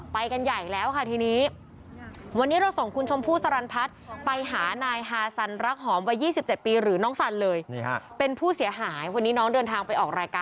ไปกันใหญ่แล้วค่ะทีนี้